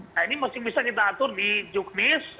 nah ini masih bisa kita atur di juknis